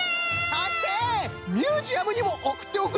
そしてミュージアムにもおくっておくれよ！